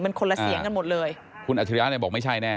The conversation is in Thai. มันคนละเสียงกันหมดเลยคุณอัจฉริยะเนี่ยบอกไม่ใช่แน่